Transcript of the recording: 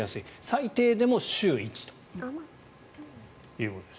最低でも週１ということです。